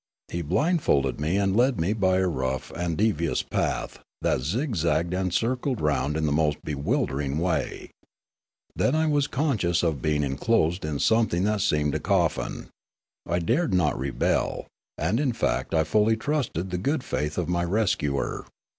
He blindfolded me and led me by a rough and devious path, that zig zagged and circled round in the most bewildering way. Then was I conscious of being enclosed in something that seemed a coffin. I dared not rebel ; and in fact I fully trusted the good faith of my rescuer.